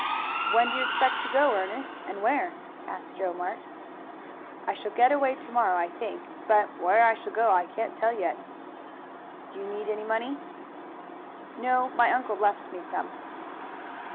"When do you expect to go, Ernest, and where?" asked Joe Marks. "I shall get away to morrow, I think, but where I shall go I can't tell yet." "Do you need any money?" "No; my uncle left me some."